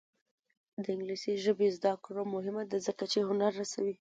د انګلیسي ژبې زده کړه مهمه ده ځکه چې هنر رسوي.